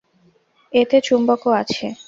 এতে চুম্বকও আছে।